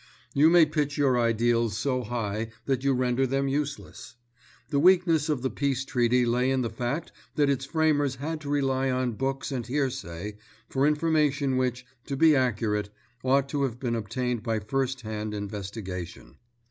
You may pitch your ideals so high that you render them useless. The weakness of the Peace Treaty lay in the fact that its framers had to rely on books and hearsay for information which, to be accurate, ought to have been obtained by first hand investigation.